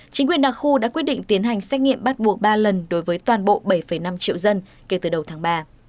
chính quyền đặc khu đã quyết định tiến hành xét nghiệm bắt buộc ba lần đối với toàn bộ bảy năm triệu dân kể từ đầu tháng ba